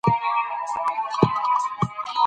او مفتي صېب ورته درې څلور ځله وضاحت